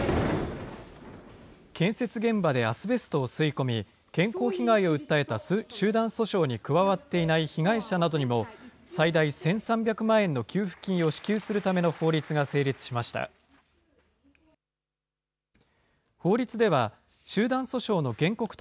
建設現場でアスベストを吸い込み、健康被害を訴えた集団訴訟に加わっていない被害者などにも、最大１３００万円の給付金を支給するための法律が成立しました。